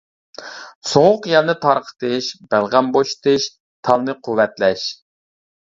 سوغۇق يەلنى تارقىتىش، بەلغەم بوشىتىش، تالنى قۇۋۋەتلەش.